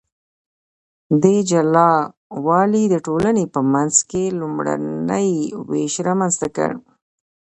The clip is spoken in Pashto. دې جلا والي د ټولنې په منځ کې لومړنی ویش رامنځته کړ.